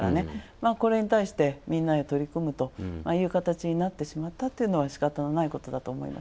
これに対してみんなで取り組むという形になってしまったのはしかたのないことだと思います。